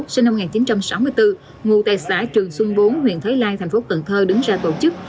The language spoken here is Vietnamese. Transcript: sinh năm một nghìn chín trăm sáu mươi bốn ngụ tại xã trường xuân bốn huyện thới lai thành phố cần thơ đứng ra tổ chức